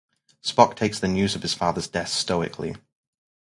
Spock takes the news of his father's death stoically.